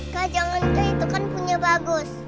kak jangan deh itu kan punya bagus